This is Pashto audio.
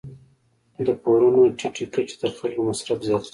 د پورونو ټیټې کچې د خلکو مصرف زیاتوي.